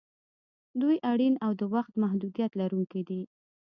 دوی اړین او د وخت محدودیت لرونکي دي.